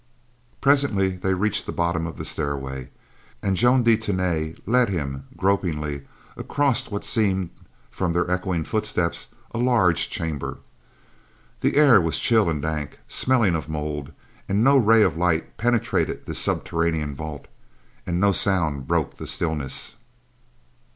Presently they reached the bottom of the stairway, and Joan de Tany led him, gropingly, across what seemed, from their echoing footsteps, a large chamber. The air was chill and dank, smelling of mold, and no ray of light penetrated this subterranean vault, and no sound broke the stillness.